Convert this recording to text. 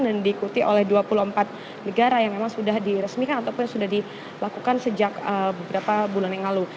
dan diikuti oleh dua puluh empat negara yang memang sudah diresmikan ataupun sudah dilakukan sejak beberapa bulan yang lalu